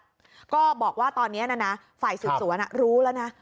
แล้วก็บอกว่าตอนนี้ฝ่ายสืดสัวรันะรู้แล้วนะ